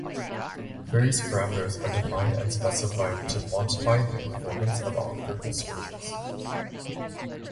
Various parameters are defined and specified to quantify the performance of optical switches.